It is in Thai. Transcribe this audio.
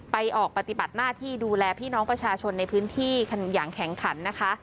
ออกปฏิบัติหน้าที่ดูแลพี่น้องประชาชนในพื้นที่อย่างแข็งขันนะคะ